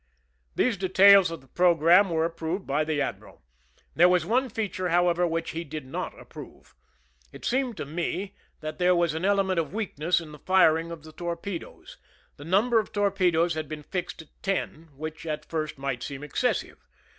These details of the program were approved by the admiral. There was one feature, however, which he did not approve. It seemed to me that there was an element of weakness in the firing of the torpe does. The number of torpedoes had been fixed at ten, which at first might seem excessive.